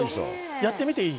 やってみていい？